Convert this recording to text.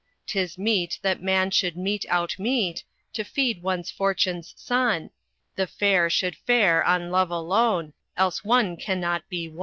"'Tis meet that man should mete out meat To feed one's fortune's sun; The fair should fare on love alone, Else one cannot be won.